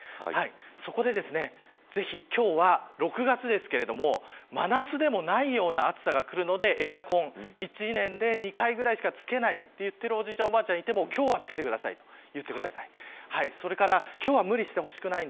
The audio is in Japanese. そこでですね、ぜひ今日は６月ですが、真夏でもないような暑さがくるのでエアコン１年で２回ぐらいしか付けないと言っているおじいちゃん、おばあちゃんがいても、今日は付けてくださいと言ってください。